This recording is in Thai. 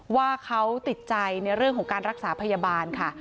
ว่าเขาติดใจในเรื่องของการรักษาพยาบาลค่ะ